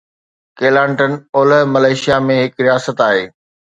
Kelantan اولهه Malaysia ۾ هڪ رياست آهي.